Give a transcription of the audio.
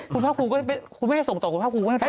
คุณภาคคุมก็ไม่ได้ส่งต่อคุณภาคคุมก็ไม่ได้โทร